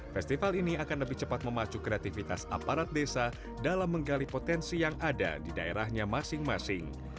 festival ini akan lebih cepat memacu kreativitas aparat desa dalam menggali potensi yang ada di daerahnya masing masing